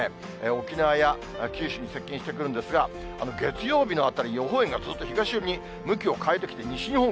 沖縄や九州に接近してくるんですが、月曜日のあたり、予報円がずっと東寄りに向きを変えてきて、西日本